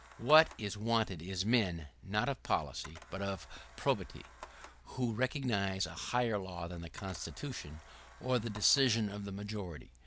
What is wanted is men, not of policy, but of probity — who recognize a higher law than the Constitution, or the decision of the majority.